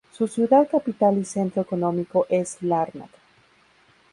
Su ciudad capital y centro económico es Lárnaca.